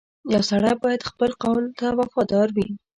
• یو سړی باید خپل قول ته وفادار وي.